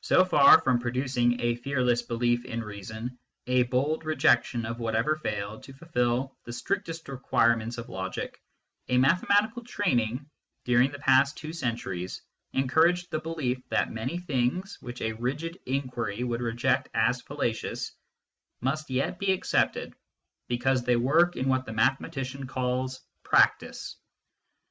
So far from producing a fear less belief in reason, a bold rejection of whatever failed to fulfil the strictest requirements of logic, a mathematical training, during the past two centuries, encouraged the belief that many things, which a rigid inquiry would reject as fallacious, must yet be accepted because they work in what the mathematician calls " practice."